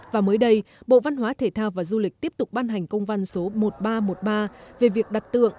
và mới đây bộ văn hóa thể thao và du lịch tiếp tục ban hành công văn số một nghìn ba trăm một mươi ba về việc đặt tượng